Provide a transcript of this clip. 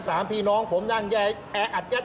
ไม่เคยต้องยอมรับว่าเคยเห็นเวลาขับรถ